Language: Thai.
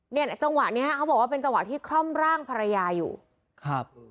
เนี่ยจังหวะเนี้ยเขาบอกว่าเป็นจังหวะที่คล่อมร่างภรรยาอยู่ครับ